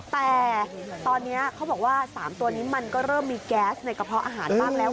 แต่ตอนนี้เขาบอกว่า๓ตัวนี้มันก็เริ่มมีแก๊สในกระเพาะอาหารบ้างแล้ว